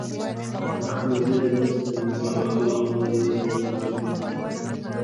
ده خپل زېړ ګیلاس تر نیمايي پورې له اوبو ډک کړ.